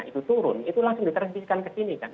itu turun itu langsung ditransikan ke sini kan